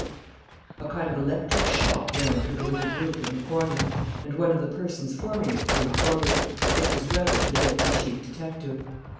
A kind of electric shock ran through the little group in the corner; and one of the persons forming it came forward. It was Weber, the deputy chief detective.